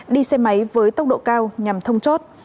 đi xe máy với tốc độ cao nhằm thông chốt